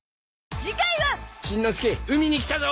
しんのすけ海に来たぞ！